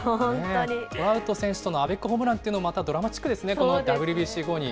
トラウト選手とのアベックホームランというのもまたドラマチックですね、ＷＢＣ後に。